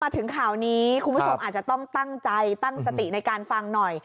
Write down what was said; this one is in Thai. ถึงข่าวนี้คุณผู้ชมอาจจะต้องตั้งใจตั้งสติในการฟังหน่อย